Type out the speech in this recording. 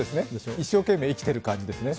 一生懸命生きてる感じですね。